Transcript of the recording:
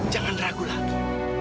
jangan ragu lagi